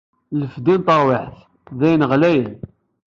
Lefdi n terwiḥt, d ayen ɣlayen.